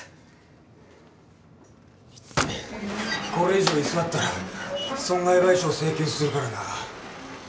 これ以上居座ったら損害賠償請求するからな。